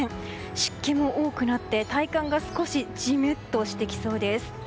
湿気も多くなって体感が少しジメッとしてきそうです。